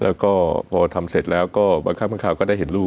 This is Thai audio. แล้วก็พอทำเสร็จแล้วก็บางครั้งบางคราวก็ได้เห็นลูก